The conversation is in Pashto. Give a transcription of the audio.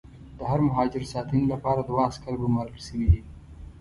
د هر مهاجر ساتنې لپاره دوه عسکر ګومارل شوي دي.